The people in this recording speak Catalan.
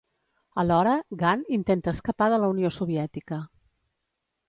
Alhora, Gant intenta escapar de la Unió Soviètica.